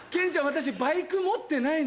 私バイク持ってないの。